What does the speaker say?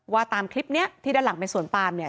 ตามคลิปเนี้ยที่ด้านหลังเป็นสวนปามเนี่ย